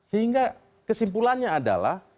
sehingga kesimpulannya adalah